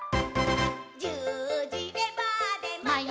「じゅうじレバーでまよ